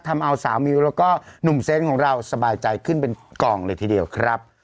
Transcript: ทำเอาสาวมิวแล้วก็หนุ่มเซนต์ของเราสบายใจขึ้นเป็นกองเลยทีเดียวครับ